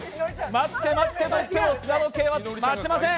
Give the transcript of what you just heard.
待って待ってと言っても砂時計は待ちません。